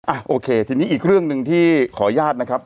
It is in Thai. อ่ะโอเคทีนี้อีกเรื่องหนึ่งที่ขออนุญาตนะครับ